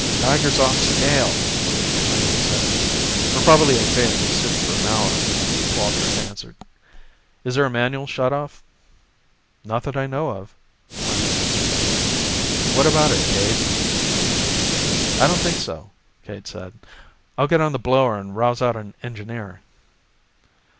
"Geiger's off scale," Lehman said. "We're probably O.K. in these suits for an hour," Cowalczk answered. "Is there a manual shut off?" "Not that I know of," Lehman answered. "What about it, Cade?" "I don't think so," Cade said. "I'll get on the blower and rouse out an engineer."